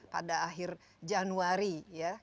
pada akhir januari ya